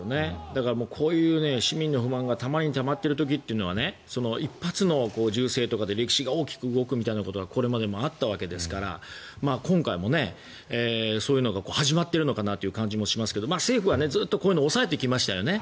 だから、こういう市民の不満がたまりにたまっている時というのは１発の銃声とかで歴史が多く動くみたいなことがこれまでもあったわけですから今回もそういうのが始まっているのかなという感じもしますが政府はずっとこういうのを抑えてきましたよね。